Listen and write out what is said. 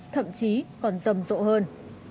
thậm chí còn rầm rộ hơn